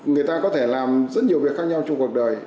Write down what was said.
người ta có thể làm rất nhiều việc khác nhau trong cuộc đời